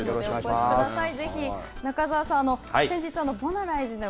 お越しください。